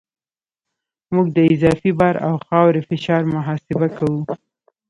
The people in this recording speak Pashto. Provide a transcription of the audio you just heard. موږ د اضافي بار او خاورې فشار محاسبه کوو